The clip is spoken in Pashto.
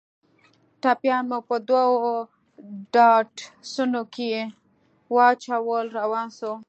ټپيان مو په دوو ډاټسنو کښې واچول روان سو.